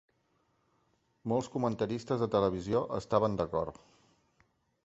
Molts comentaristes de televisió estaven d'acord.